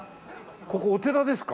ここお寺ですか？